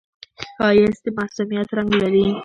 ښایست د معصومیت رنگ لري